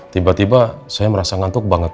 tiba tiba saya merasa ngantuk banget